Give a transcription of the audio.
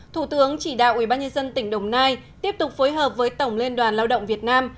thủ tướng chỉ đạo ubnd tỉnh đồng nai tiếp tục phối hợp với tổng liên đoàn lao động việt nam